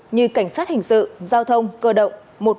như cảnh sát hình sự giao thông cơ động